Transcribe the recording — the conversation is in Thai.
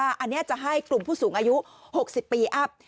อันนี้จะให้กลุ่มผู้สูงอายุ๖๐ปีอัพ